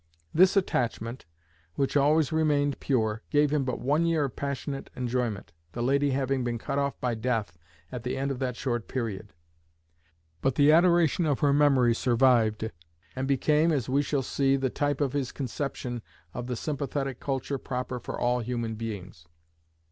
This attachment, which always remained pure, gave him but one year of passionate enjoyment, the lady having been cut off by death at the end of that short period; but the adoration of her memory survived, and became, as we shall see, the type of his conception of the sympathetic culture proper for all human beings.